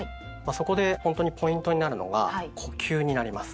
そこでほんとにポイントになるのが呼吸になります。